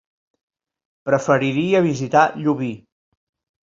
Preferiria visitar Llubí.